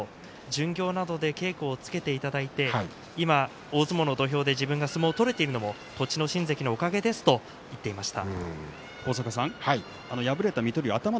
巡業などで稽古をつけていただいて今、大相撲の土俵で自分が相撲を取れているのも栃ノ心関のおかげですと言っていました。